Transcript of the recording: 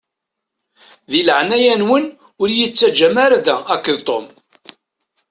Di leɛnaya-nwen ur yi-ttaǧǧam ara da akked Tom.